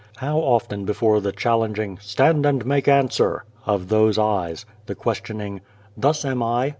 How often before the challenging " Stand and make answer!" of those eyes, the questioning " Thus am I.